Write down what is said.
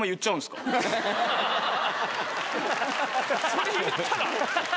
それ言ったら。